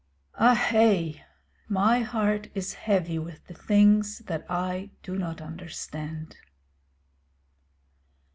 Ahae! my heart is heavy with the things that I do not understand.